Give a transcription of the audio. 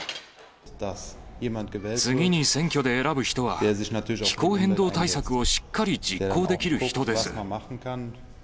次に選挙で選ぶ人は、気候変動対策をしっかり実行できる人です。